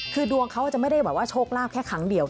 คือดวงเขาจะไม่ได้แบบว่าโชคลาภแค่ครั้งเดียว